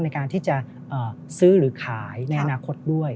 ในการที่จะซื้อหรือขายในอนาคตด้วย